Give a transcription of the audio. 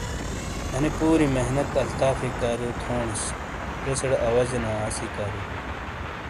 انے پوری محنت الطافۓ کاریو تو تھونیس۔ زیسے ڑے آواجے نا آسی کاریو۔